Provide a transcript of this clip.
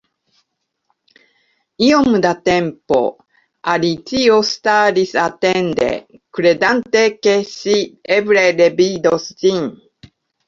Iom da tempo Alicio staris atende, kredante ke ŝi eble revidos ĝin.